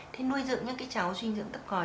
thì nuôi dưỡng những cháu suy dinh dưỡng thấp còi